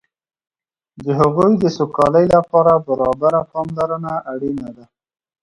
د هغوی سوکالۍ لپاره برابره پاملرنه اړینه ده.